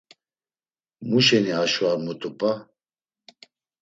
Mu şeni aşo ar mutu p̌a?